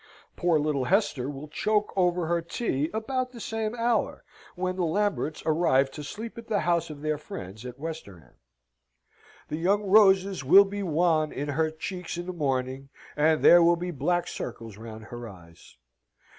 Poor little Hester will choke over her tea about the same hour when the Lamberts arrive to sleep at the house of their friends at Westerham. The young roses will be wan in her cheeks in the morning, and there will be black circles round her eyes.